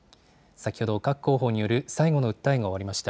先ほど各候補による最後の訴えが終わりました。